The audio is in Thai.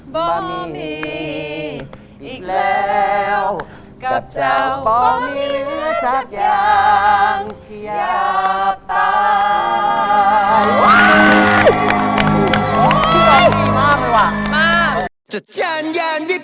บ่มีอีกแล้วกับเจ้าบ่มีเหลือสักอย่างเสียบตาย